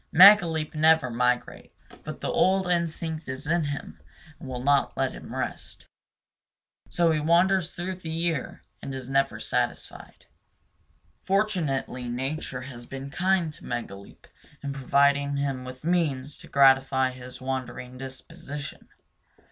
Megaleep never migrates; but the old instinct is in him and will not let him rest. So he wanders through the year, and is never satisfied. Fortunately nature has been kind to Megaleep in providing him with means to gratify his wandering disposition.